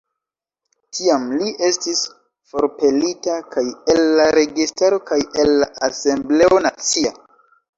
Tiam li estis forpelita kaj el la registaro kaj el la asembleo nacia.